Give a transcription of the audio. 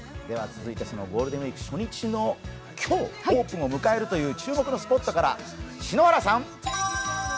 続いてゴールデンウイーク初日の今日オープンを迎えるという注目のスポットから。